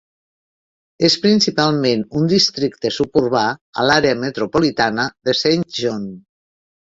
És principalment un districte suburbà a l'àrea metropolitana de Saint John.